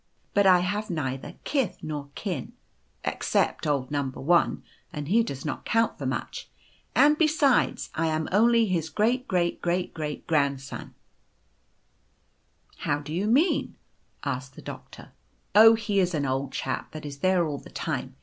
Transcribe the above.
But I have neither kith nor kin except old Number 1, and he does not count for much ; and, besides, I am only his great great great great grandson/ " c How do you mean ?' asked the Doctor. "'Oh, he is an old chap that is there all the time.